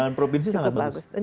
jalan provinsi sangat bagus